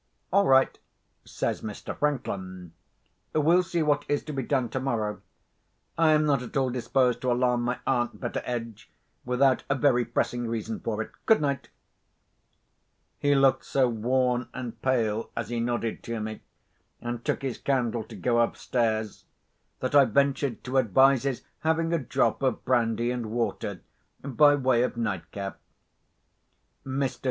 "All right," says Mr. Franklin. "We'll see what is to be done tomorrow. I am not at all disposed to alarm my aunt, Betteredge, without a very pressing reason for it. Good night." He looked so worn and pale as he nodded to me, and took his candle to go upstairs, that I ventured to advise his having a drop of brandy and water, by way of night cap. Mr.